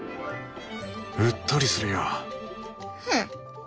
うっとりするよ。